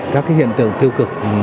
các hiện tượng tiêu cực